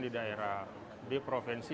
di daerah di provinsi